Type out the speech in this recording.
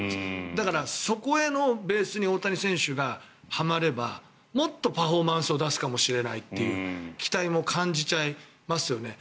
だから、そこへのベースに大谷選手がはまればもっとパフォーマンスを出すかもしれないという期待を感じちゃいますよね。